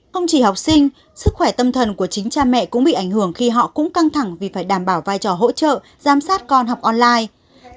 không chỉ học sinh sức khỏe tâm thần của chính cha mẹ cũng bị ảnh hưởng khi họ cũng căng thẳng vì phải đảm bảo vai trò hỗ trợ giám sát con học online